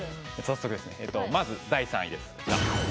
まず第３位です。